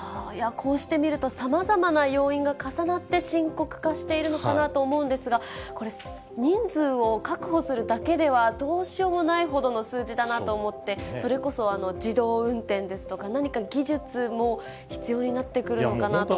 こうして見ると、さまざまな要因が重なって、深刻化しているのかなと思うんですが、これ、人数を確保するだけではどうしようもないほどの数字だなと思って、それこそ自動運転ですとか、何か技術も必要になってくるのかなと思いますね。